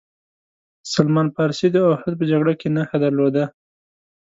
سلمان فارسي داوحد په جګړه کې نښه درلوده.